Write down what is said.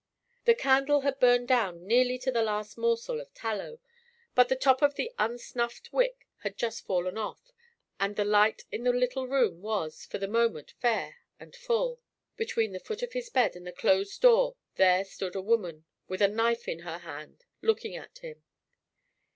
The candle had burned down nearly to the last morsel of tallow, but the top of the unsnuffed wick had just fallen off, and the light in the little room was, for the moment, fair and full. Between the foot of his bed and the closed door there stood a woman with a knife in her hand, looking at him.